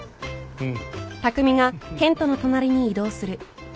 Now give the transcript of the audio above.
うん。